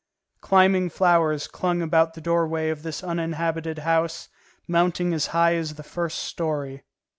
Climbing flowers clung about the doorway of this uninhabited house, mounting as high as the first story.